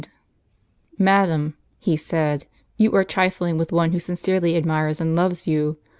Ibid. " Madam," he said, " you are trifling with one who sincerely admires and loves you.